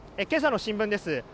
今朝の新聞です。